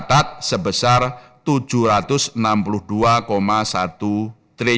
bank indonesia akan melanjutkan pembelian pembayaran ekonomi nasional